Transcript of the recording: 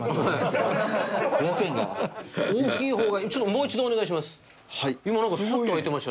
もう一度お願いします。